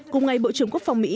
cùng ngày bộ trưởng quốc phòng mỹ